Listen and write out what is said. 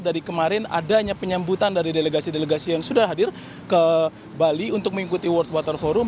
dari kemarin adanya penyambutan dari delegasi delegasi yang sudah hadir ke bali untuk mengikuti world water forum